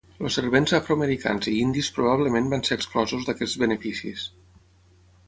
Els servents afroamericans i indis probablement van ser exclosos d'aquests beneficis.